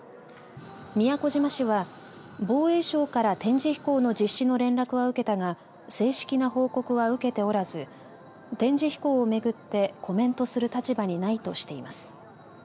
宮古島市は防衛省から展示飛行の実施の連絡は受けたが正式な報告は受けておらず展示飛行をめぐってコメントする立場にないとしています。